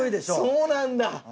そうなんだ！